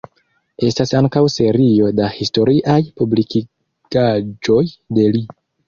Estas ankaŭ serio da historiaj publikigaĵoj de li.